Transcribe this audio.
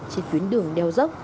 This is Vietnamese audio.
trên chuyến đường đeo dốc